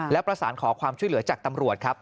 และประสานขอความช่วยเหลือจากตำรวจครับ